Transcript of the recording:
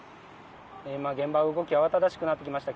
今、現場の動きが慌ただしくなってきました。